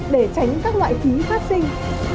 để tránh các loại phí phát sinh